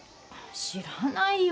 知らないよ。